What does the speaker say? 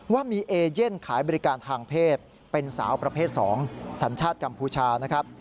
ว่ามีเอเย่นขายบริการทางเพศเป็นสาวประเภท๒สัญชาติกัมพูชานะครับ